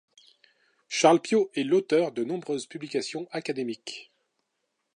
Charles Piot est l'auteur de nombreuses publications académiques.